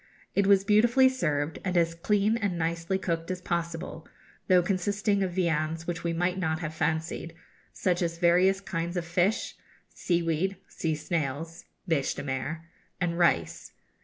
It was beautifully served, and as clean and nicely cooked as possible, though consisting of viands which we might not have fancied, such as various kinds of fish, seaweed, sea snails (bêche de mer), and rice.